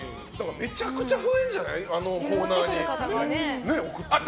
めちゃくちゃ増えるんじゃないあのコーナーに送ってくる人。